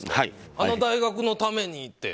あの大学のためにって。